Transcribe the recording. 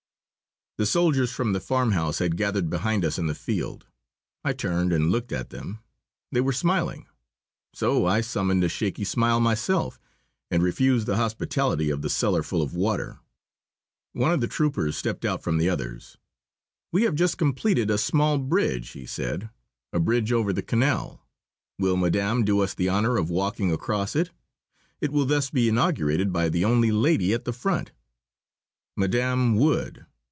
The soldiers from the farmhouse had gathered behind us in the field. I turned and looked at them. They were smiling. So I summoned a shaky smile myself and refused the hospitality of the cellar full of water. One of the troopers stepped out from the others. "We have just completed a small bridge," he said "a bridge over the canal. Will madame do us the honour of walking across it? It will thus be inaugurated by the only lady at the front." Madame would.